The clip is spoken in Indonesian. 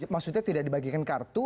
maksudnya tidak dibagikan kartu